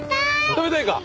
食べたいか？